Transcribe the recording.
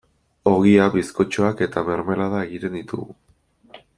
Ogia, bizkotxoak eta mermelada egiten ditugu.